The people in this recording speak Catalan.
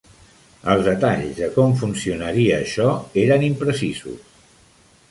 Els detalls de com funcionaria això eren imprecisos.